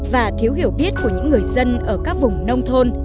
và thiếu hiểu biết của những người dân ở các vùng nông thôn